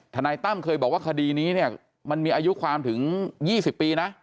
นายตั้มเคยบอกว่าคดีนี้เนี่ยมันมีอายุความถึง๒๐ปีนะ